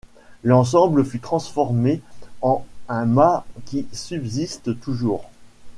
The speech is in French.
L'ensemble fut transformé en un mas qui subsiste toujours.